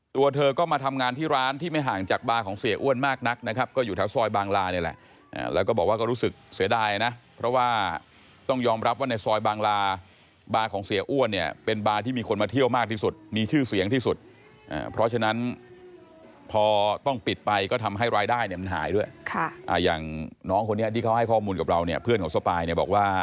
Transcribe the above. ตัวเธอก็มาทำงานที่ร้านที่ไม่ห่างจากบาร์ของเสียอ้วนมากนักนะครับก็อยู่แถวซอยบางลานี่แหละแล้วก็บอกว่าก็รู้สึกเสียดายนะเพราะว่าต้องยอมรับว่าในซอยบางลาบาร์ของเสียอ้วนเนี่ยเป็นบาร์ที่มีคนมาเที่ยวมากที่สุดมีชื่อเสียงที่สุดเพราะฉะนั้นพอต้องปิดไปก็ทำให้รายได้เนี่ยมันหายด้วยอย่างน้องคนนี้ที่เขาให้ข้อมูลกับเราเนี่ยเพื่อนของสปายเนี่ยบอกว่า